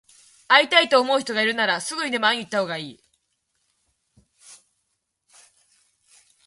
会いたいと思う人がいるなら、すぐにでも会いに行ったほうがいい。